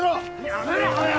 やめろよ！